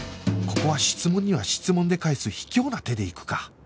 ここは質問には質問で返す卑怯な手でいくか